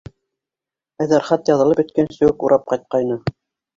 Айҙар хат яҙылып бөткәнсе үк урап ҡайтҡайны.